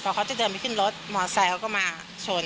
เขาจะเดินไปขึ้นรถมอเซลเขาก็มาชน